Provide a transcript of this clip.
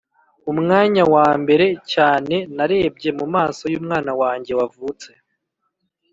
umwanya wambere cyane narebye mumaso yumwana wanjye wavutse